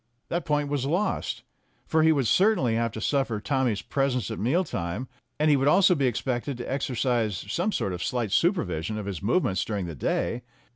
That point was lost, for he would certainly have to suffer Tommy's presence at meal times, and he would also be expected to exercise some sort of slight supervision of his movements during the day.